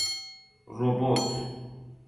روبوت